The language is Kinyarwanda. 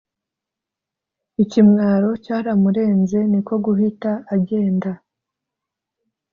ikimwaro cyaramurenze niko guhita agenda